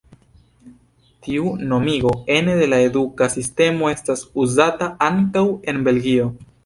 Tiu nomigo ene de la eduka sistemo estas uzata ankaŭ en Belgio.